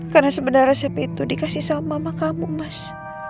karena sebenarnya resep itu dikasih sama mama kamu mas